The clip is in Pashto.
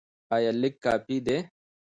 ایا لیک کافي دی؟